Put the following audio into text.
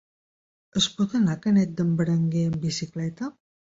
Es pot anar a Canet d'en Berenguer amb bicicleta?